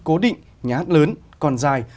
cố định nhát lớn còn dài